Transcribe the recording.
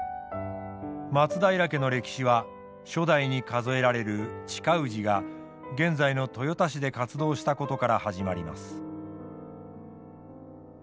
松平家の歴史は初代に数えられる親氏が現在の豊田市で活動したことから始まります。